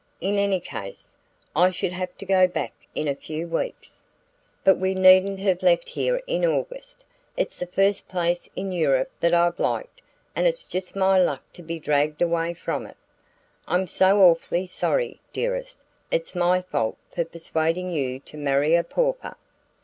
In any case I should have to be back in a few weeks." "But we needn't have left here in August! It's the first place in Europe that I've liked, and it's just my luck to be dragged away from it!" "I'm so awfully sorry, dearest. It's my fault for persuading you to marry a pauper."